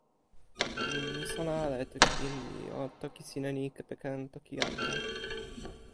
mi sona ala e toki Inli. o toki sin e ni kepeken toki ante.